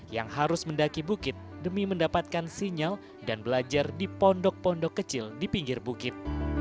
yang harus mendaki bukit demi mendapatkan sinyal dan belajar di pondok pondok kecil di pinggir bukit